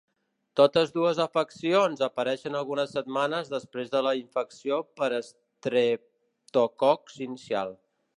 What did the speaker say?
Totes dues afeccions apareixen algunes setmanes després de la infecció per estreptococs inicial.